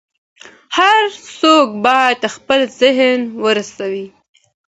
هر څوک باید خپل ذهن وساتي.